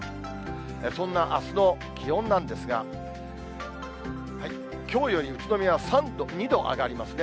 そんなあすの気温なんですが、きょうより宇都宮は２度上がりますね。